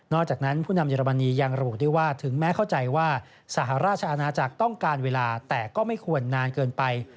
จากนั้นผู้นำเรรมนียังระบุด้วยว่าถึงแม้เข้าใจว่าสหราชอาณาจักรต้องการเวลาแต่ก็ไม่ควรนานเกินไป